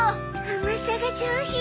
甘さが上品。